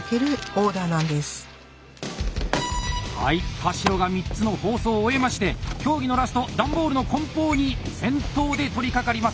田代が３つの包装を終えまして競技のラスト段ボールの梱包に先頭で取りかかります！